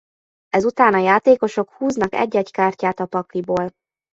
Ezután a játékosok húznak egy-egy kártyát a pakliból.